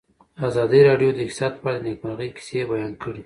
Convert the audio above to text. ازادي راډیو د اقتصاد په اړه د نېکمرغۍ کیسې بیان کړې.